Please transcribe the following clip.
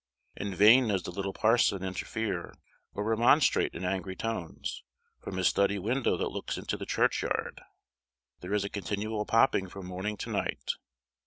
In vain does the little parson interfere, or remonstrate in angry tones, from his study window that looks into the churchyard; there is a continual popping from morning to night.